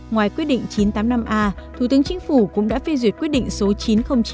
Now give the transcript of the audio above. ngoài quyết định chín trăm tám mươi năm a thủ tướng chính phủ cũng đã phê duyệt quyết định số chín trăm linh chín